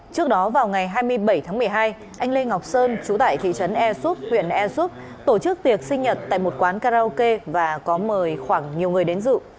trước đó vào ngày hai mươi bảy tháng một mươi hai anh lê ngọc sơn trú tại thị trấn ea súp huyện ea súp tổ chức tiệc sinh nhật tại một quán karaoke và có mời khoảng nhiều người đến dự